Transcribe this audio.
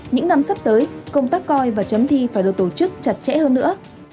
những năm sắp tới công tác coi và chấm thi phải được tổ chức chặt chẽ hơn nữa